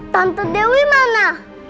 tante dewi mana